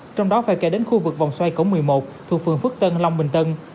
trong đó phải kể đến khu vực vòng xoay cổ một mươi một thuộc phường phước tân long bình tân